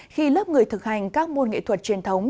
khi lớp người thực hành các môn nghệ thuật truyền thống